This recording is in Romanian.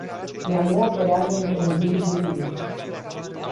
Ea nu operează într-un vid juridic.